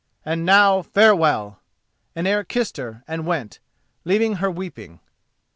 And now farewell," and Eric kissed her and went, leaving her weeping.